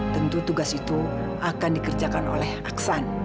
tentu tugas itu akan dikerjakan oleh aksan